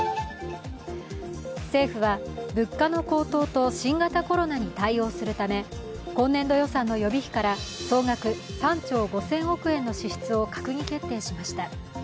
政府は物価の高騰と新型コロナに対応するため今年度予算の予備費から総額３兆５０００億円の支出を閣議決定しました。